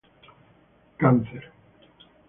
Cáncer